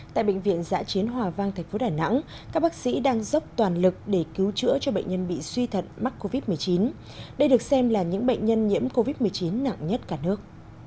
tại bệnh viện giã chiến hòa vang tp đà nẵng các bác sĩ đang dốc toàn lực để cứu chữa cho bệnh nhân bị suy thận mắc covid một mươi chín đây được xem là những bệnh nhân nhiễm covid một mươi chín nặng nhất cả nước